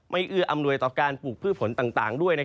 เอื้ออำนวยต่อการปลูกพืชผลต่างด้วย